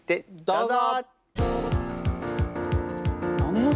どうぞ！